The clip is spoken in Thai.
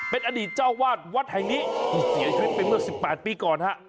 เป็นอดีตเจ้าวาดวัดแห่งนี้ที่เสียชีวิตไปเมื่อ๑๘ปีก่อนฮะ